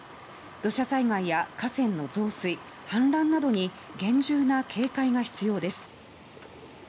土砂災害や河川の増水、氾濫などに厳重な警戒が必要です。